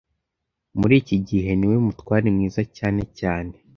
Muri iki gihe, niwe mutware mwiza cyane cyane